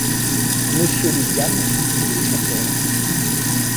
Monsieur William, lui dit le chasseur